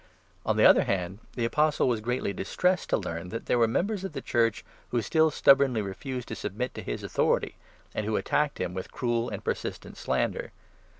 On the other hand the Apostle was greatly distressed to learn that there were members of the Church who still stubbornly refused to submit to his authority, and who attacked him with cruel and persistent slander.